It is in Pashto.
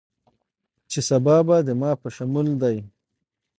چې سبا به دما په شمول دې